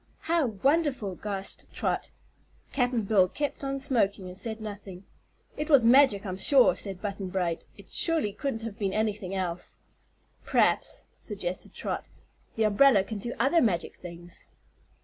'" "How wonderful!" gasped Trot. Cap'n Bill kept on smoking and said nothing. "It was magic, I'm sure," said Button Bright. "It surely couldn't have been anything else." "P'raps," suggested Trot, "the umbrella can do other magic things."